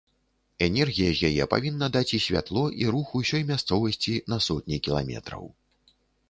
Энергія з яе павінна даць і святло і рух усёй мясцовасці на сотні кіламетраў.